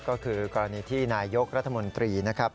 ก็คือกรณีที่นายยกรัฐมนตรีนะครับ